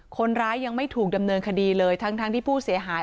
คนร้ายยังไม่ถูกดำเนินคดีเลยทั้งที่ผู้เสียหาย